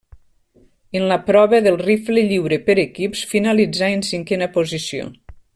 En la prova del rifle lliure per equips finalitzà en cinquena posició.